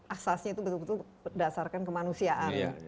asasnya itu betul betul berdasarkan kemanusiaan